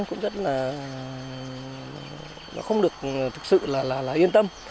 cũng rất là nó không được thực sự là yên tâm